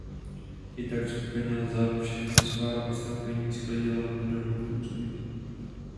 I tak skupina za všechna svá vystoupení sklidila v Dortmundu úspěch.